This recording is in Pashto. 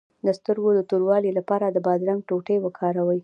د سترګو د توروالي لپاره د بادرنګ ټوټې وکاروئ